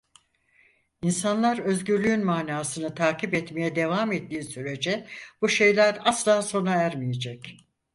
İnsanlar özgürlüğün manasını takip etmeye devam ettiği sürece, bu şeyler asla sona ermeyecek!